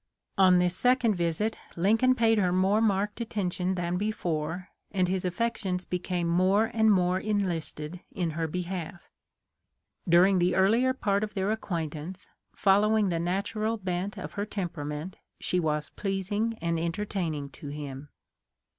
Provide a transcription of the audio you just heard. On this second visit Lincoln paid her more marked attention than before, and his affec tions became more and more enlisted in her behalf. During the earlier part of their acquaintance, fol lowing the natural bent of her temperament she was pleasing and entertaining to him.